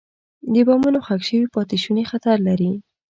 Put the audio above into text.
د بمونو ښخ شوي پاتې شوني خطر لري.